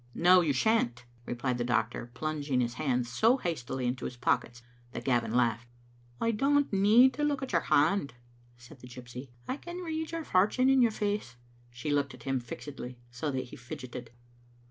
"No, you shan't," replied the doctor, plunging his hands so hastily into his pockets that Gavin laughed. " I don't need to look at your hand," said the gypsy, " I can read your fortune in your face." She looked at him fixedly, so that he fidgeted.